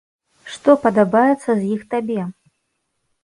Што падабаецца з іх табе?